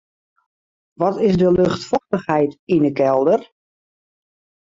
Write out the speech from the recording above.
Wat is de luchtfochtichheid yn 'e kelder?